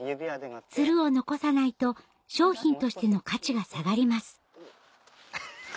ツルを残さないと商品としての価値が下がります